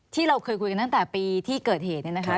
ที่เราเคยคุยกันตั้งแต่ปีที่เกิดเหตุเนี่ยนะคะ